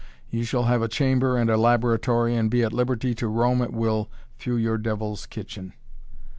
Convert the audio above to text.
You shall have a chamber and a laboratory and be at liberty to roam at will through your devil's kitchen."